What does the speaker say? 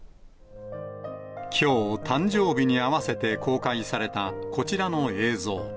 きょう、誕生日に合わせて公開された、こちらの映像。